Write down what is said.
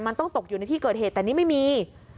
มันต้องตกอยู่ในที่เกิดเหตุแต่นี่ไม่มี